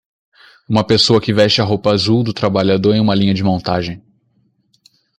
Uma pessoa que veste a roupa azul do trabalhador em uma linha de montagem.